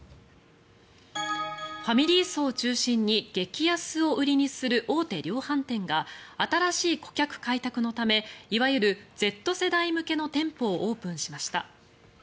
ファミリー層を中心に激安を売りにする大手量販店が新しい顧客開拓のためいわゆるＺ世代向けの店舗をオープンしました。